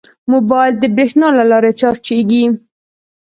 موبایل د بریښنا له لارې چارجېږي.